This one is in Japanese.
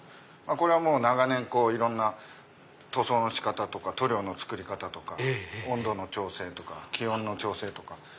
長年いろんな塗装の仕方とか塗料の作り方とか温度の調整とか気温の調整とか。